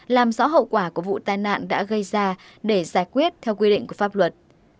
làm rõ hậu quả của vụ tai nạn đã gây ra để giải quyết theo quy định của pháp luật